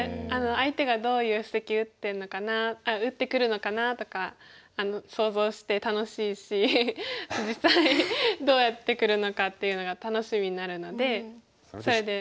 相手がどういう布石打ってるのかなあっ打ってくるのかなとか想像して楽しいし実際どうやってくるのかっていうのが楽しみになるのでそれで。